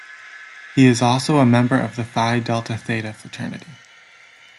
He is also a member of the Phi Delta Theta Fraternity.